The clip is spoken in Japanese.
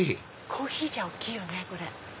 コーヒーじゃ大きいよねこれ！